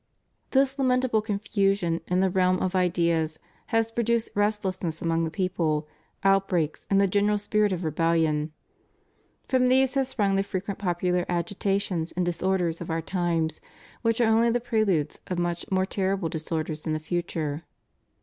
This lamentable confusion in the realm of ideas has produced restlessness among the people, outbreaks, and the general spirit of rebellion. From these have sprung the frequent popular agitations and disorders of our times which are only the preludes of much more terrible disorders in the future.